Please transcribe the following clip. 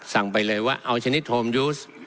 สั่งไปเลยว่าเอาชนิดโฮมยูส